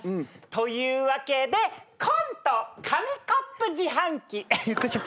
というわけでコント「紙コップ自販機」よっこいしょ。